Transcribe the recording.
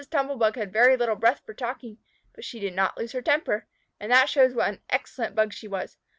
Tumble bug had very little breath for talking, but she did not lose her temper. And that shows what an excellent Bug she was.